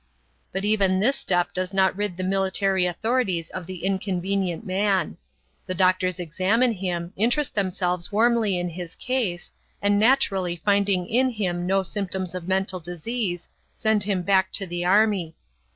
But even this step does not rid the military authorities of the inconvenient man. The doctors examine him, interest themselves warmly in his case, and naturally finding in him no symptoms of mental disease, send him back to the army.